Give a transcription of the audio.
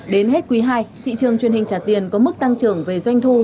đến hết quý hai thị trường truyền hình trả tiền có mức tăng trưởng về doanh thu